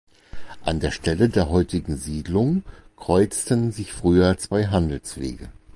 An der Stelle der heutigen Siedlung kreuzten sich früher zwei Handelswege.